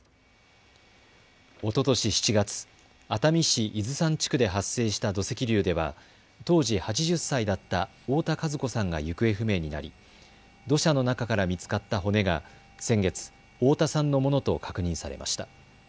おととし７月、熱海市伊豆山地区で発生した土石流では当時８０歳だった太田和子さんが行方不明になり土砂の中から見つかった骨が先月、太田さんのものと確認されました。